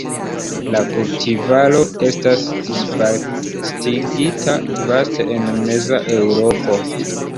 La kultivaro estas disvastigita vaste en meza Eŭropo.